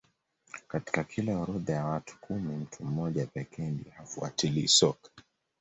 Katika kila orodha ya watu kumi mtu mmoja pekee ndiye hafuatilii soka